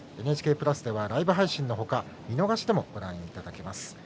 ＮＨＫプラスではライブ配信の他見逃しでも、ご覧いただけます。